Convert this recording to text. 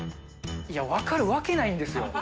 分かるわけないんですよ。